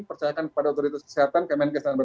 percayakan kepada otoritas kesehatan kmnk